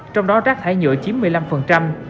trong đó rác thải nhựa chiếm một mươi năm